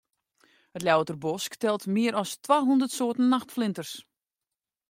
It Ljouwerter Bosk telt mear as twa hûndert soarten nachtflinters.